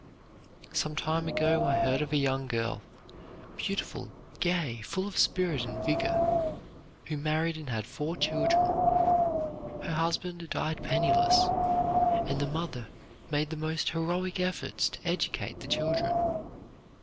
Some time ago I heard of a young girl, beautiful, gay, full of spirit and vigor, who married and had four children. Her husband died penniless, and the mother made the most heroic efforts to educate the children.